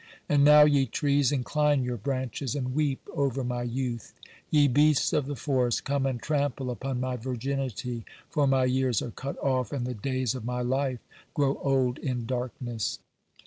And now, ye trees, incline your branches and weep over my youth; ye beasts of the forest, come and trample upon my virginity, for my years are cut off, and the days of my life grow old in darkness."